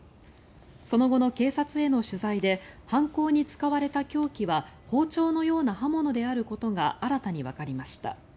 その後の警察への取材で犯行に使われた凶器は包丁のような刃物であることが新たにわかりました。